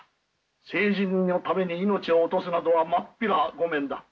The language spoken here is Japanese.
政治のために命を落とすなどは真っ平御免だ。